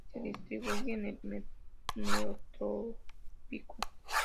Se distribuye en el neotrópico.